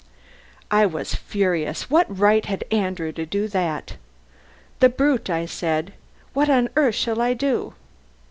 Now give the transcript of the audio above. I was furious. What right had Andrew to do that? "The brute!" I said. "What on earth shall I do?"